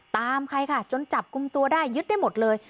ตามใครค่ะจนจับกลุ่มตัวได้ยึดได้หมดเลย